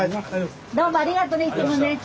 どうもありがとうねいつもね。